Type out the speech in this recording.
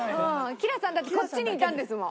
ＫｉＬａさんだってこっちにいたんですもん。